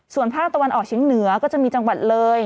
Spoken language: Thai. ส่วนภาคตะวันออกเชียงเหนือก็จะมีจังหวัดเลย